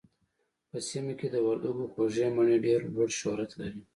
په سيمه کې د وردګو خوږې مڼې ډېر لوړ شهرت لري